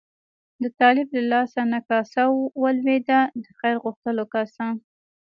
د طالب له لاس نه کاسه ولوېده، د خیر غوښتلو کاسه.